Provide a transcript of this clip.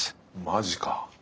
マジか。